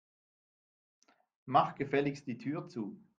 Mach gefälligst die Tür zu.